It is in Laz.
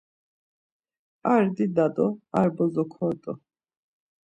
Ar dida do ar bozo kort̆u.